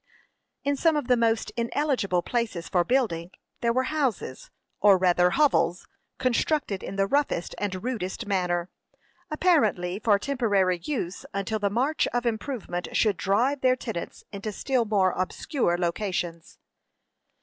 In some of the most ineligible places for building, there were houses, or rather hovels, constructed in the roughest and rudest manner, apparently for temporary use until the march of improvement should drive their tenants into still more obscure locations.